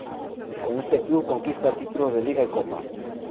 Con este club conquista el título de Liga y Copa.